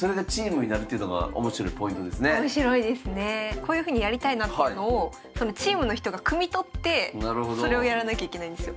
こういうふうにやりたいなっていうのをそのチームの人がくみ取ってそれをやらなきゃいけないんですよ。